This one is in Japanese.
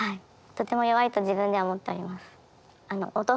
とても弱いと自分では思っております。